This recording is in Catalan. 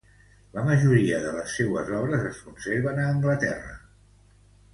La majoria de les seues obres es conserven a Anglaterra.